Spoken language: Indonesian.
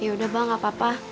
yaudah bang gak apa apa